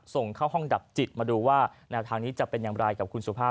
ส่งเข้าห้องดับจิตมาดูว่าแนวทางนี้จะเป็นอย่างไรกับคุณสุภาพ